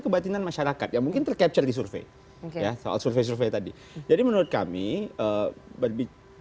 kebatinan masyarakat yang mungkin tercapture di survei survei tadi jadi menurut kami berbicara